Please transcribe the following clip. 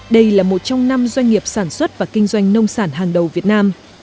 đây là một trong năm doanh nghiệp sản xuất và kinh doanh nông sản hàng đầu việt nam